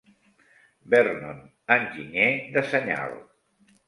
Vernon, Enginyer de Senyal.